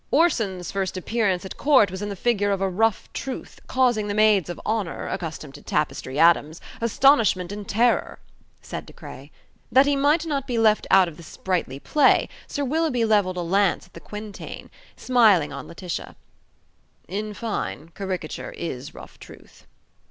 "Orson's first appearance at court was in the figure of a rough truth, causing the Maids of Honour, accustomed to Tapestry Adams, astonishment and terror," said De Craye. That he might not be left out of the sprightly play, Sir Willoughby levelled a lance at the quintain, smiling on Laetitia: "In fine, caricature is rough truth."